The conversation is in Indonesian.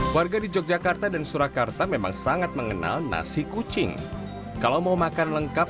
warga di yogyakarta dan surakarta memang sangat mengenal nasi kucing kalau mau makan lengkap